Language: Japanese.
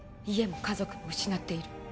家も家族も失っている